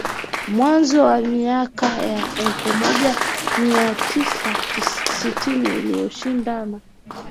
Mwanzo wa miaka ya elfumoja miatisa sitini ilishindana